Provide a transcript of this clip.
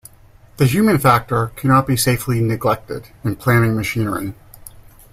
The human factor cannot be safely neglected in planning machinery.